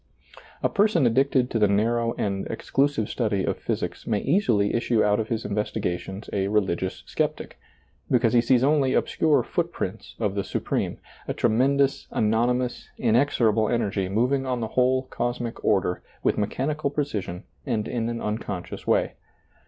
A person addicted to the narrow and exclu sive study of physics may easily issue out of his investigations a religious sceptic, because he sees only obscure footprints of the Supreme, a tre mendous, anonymous, inexorable energy moving on the whole cosmic order with mechanical pre cision and in an unconscious way.